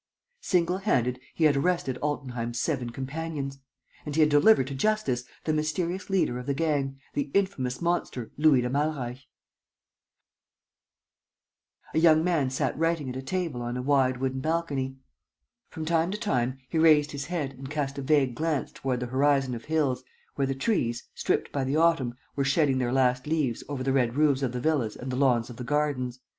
Single handed, he had arrested Altenheim's seven companions! And he had delivered to justice the mysterious leader of the gang, the infamous monster, Louis de Malreich! A young man sat writing at a table on a wide wooden balcony. From time to time, he raised his head and cast a vague glance toward the horizon of hills, where the trees, stripped by the autumn, were shedding their last leaves over the red roofs of the villas and the lawns of the gardens.